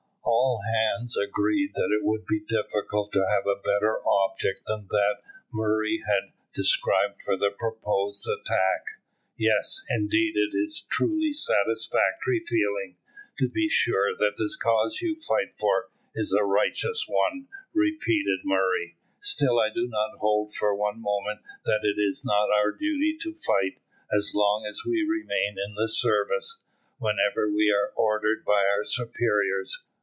All hands agreed that it would be difficult to have a better object than that Murray had described for the proposed attack. "Yes, indeed, it is a truly satisfactory feeling, to be sure, that the cause you fight for is a righteous one," repeated Murray. "Still I do not hold for one moment that it is not our duty to fight, as long as we remain in the service, whenever we are ordered by our superiors.